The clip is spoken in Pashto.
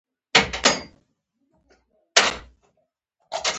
پیلوټ د اخلاقو سمبول دی.